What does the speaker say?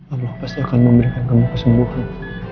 allah pasti akan memberikan kamu kesembuhan